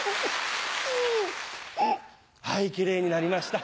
はいキレイになりました。